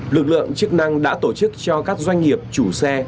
lực lượng chức năng đã tổ chức cho các doanh nghiệp chủ xe